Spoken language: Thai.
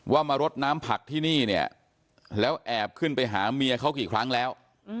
มารดน้ำผักที่นี่เนี่ยแล้วแอบขึ้นไปหาเมียเขากี่ครั้งแล้ว